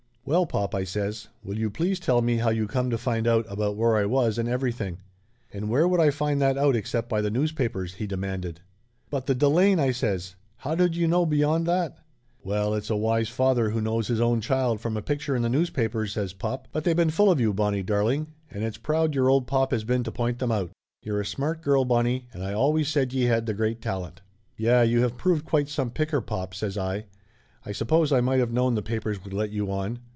"Well, pop!" I says. "Will you please tell me how you come to find out about where I was, and every thing?" "And where would I find that out except by the newspapers ?" he demanded. "But the Delane !" I says. "How did you know be yond that?" "Well, it's a wise father who knows his own child from a picture in the newspapers," says pop. "But Laughter Limited 241 they been full of you, Bonnie darling, and it's proud your old pop has been to point them out. You're a smart girl, Bonnie, and I always said ye had the great talent!" "Yeh, you have proved quite some picker, pop!" says I. "I suppose I might of known the papers would let you on.